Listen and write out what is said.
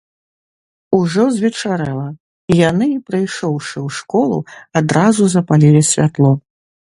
Ужо звечарэла, і яны, прыйшоўшы ў школу, адразу запалілі святло.